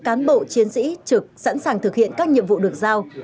cán bộ chiến sĩ trực sẵn sàng thực hiện các nhiệm vụ được giao